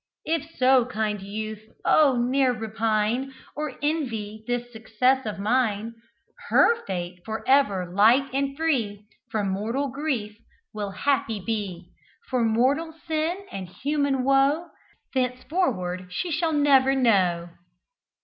If so kind youth, oh! ne'er repine, Or envy this success of mine; Her fate for ever light and free From mortal grief, will happy be, For mortal sin and human woe, Thenceforward she shall never know!"